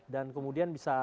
dan kemudian bisa